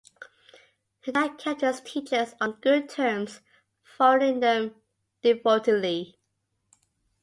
He had kept his teachers on good terms, following them devotedly.